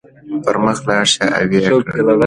پر مخ لاړ شئ او ويې کړئ.